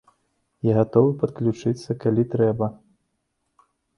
Я гатовы падключыцца, калі трэба.